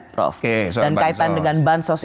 prof dan kaitan dengan bansos